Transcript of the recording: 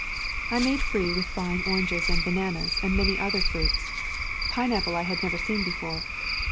I made free with fine oranges and bananas and many other fruits. Pineapple I had never seen before.